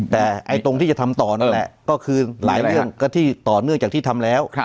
แต่ตรงที่จะทำต่อนั่นแหละก็คือหลายเรื่องก็ที่ต่อเนื่องจากที่ทำแล้ว